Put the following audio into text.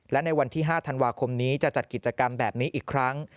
และในวันที่๕ธันวาคมนี้จะจัดกิจกรรมแบบนี้อีกครั้ง